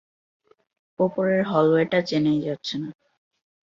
উপরের হলওয়েটা চেনাই যাচ্ছে না।